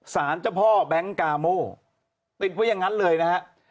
สารเจ้าพ่อแบงค์กาโม่ติดไว้อย่างนั้นเลยนะฮะ